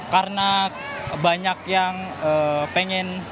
karena banyak yang pengen